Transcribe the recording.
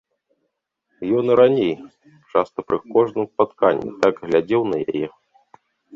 Ён і раней, часта, пры кожным спатканні так глядзеў на яе.